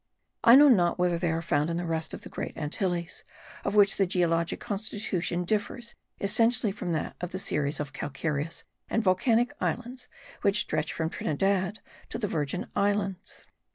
I know not whether they are found in the rest of the Great Antilles, of which the geologic constitution differs essentially from that of the series of calcareous and volcanic islands which stretch from Trinidad to the Virgin Islands.